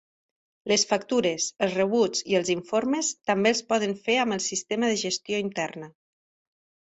Les factures, els rebuts i els informes també els poden fer amb el sistema de gestió interna.